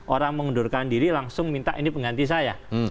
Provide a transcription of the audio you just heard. orang mengundurkan diri langsung minta ini pengganti saya